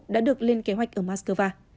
đã được lên kế hoạch ở moscow